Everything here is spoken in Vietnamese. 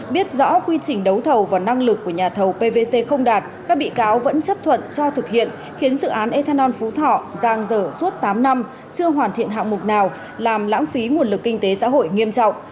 biết rõ quy trình đấu thầu và năng lực của nhà thầu pvc không đạt các bị cáo vẫn chấp thuận cho thực hiện khiến dự án ethanol phú thọ giang dở suốt tám năm chưa hoàn thiện hạng mục nào làm lãng phí nguồn lực kinh tế xã hội nghiêm trọng